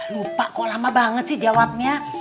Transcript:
lupa kok lama banget sih jawabnya